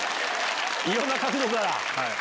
いろんな角度から！